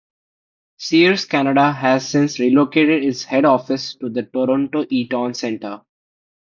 Sears Canada has since relocated its head office to the Toronto Eaton Centre.